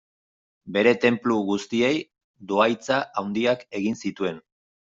Bere tenplu guztiei dohaintza handiak egin zituen.